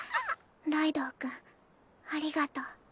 ライドウ君ありがとう。